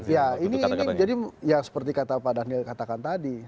ya ini jadi seperti pak daniel katakan tadi